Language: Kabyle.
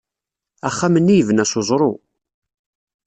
Axxam-nni yebna s weẓru.